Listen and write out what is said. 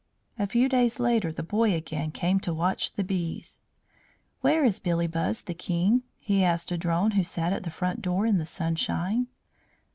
A few days later the boy again came to watch the bees. "Where is Billybuzz the King?" he asked a drone who sat at the front door in the sunshine.